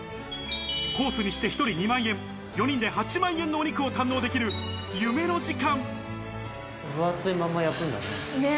コースにして、１人２万円、４人で８万円のお肉を堪能できる夢の時間。